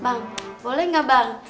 bang boleh gak bang